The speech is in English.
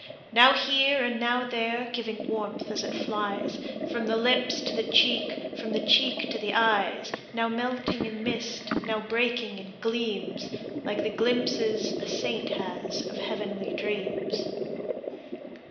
"Now here and now there, giving warmth as it flies From the lips to the cheek, from the cheek to the eyes; Now melting in mist, and now breaking in gleams Like the glimpses a saint has of heavenly dreams."